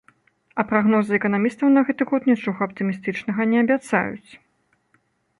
А прагнозы эканамістаў на гэты год нічога аптымістычнага не абяцаюць.